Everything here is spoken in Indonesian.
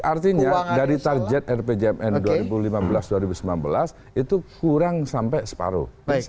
artinya dari target rpjmn dua ribu lima belas dua ribu sembilan belas itu kurang sampai separuh